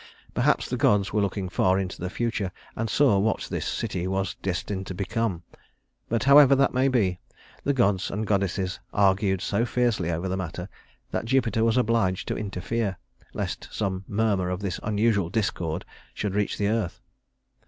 Perhaps the gods were looking far into the future and saw what this city was destined to become; but however that may be, the gods and goddesses argued so fiercely over the matter that Jupiter was obliged to interfere, lest some murmur of this unusual discord should reach the earth.